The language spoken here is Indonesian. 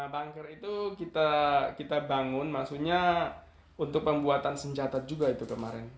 banker itu kita bangun maksudnya untuk pembuatan senjata juga itu kemarin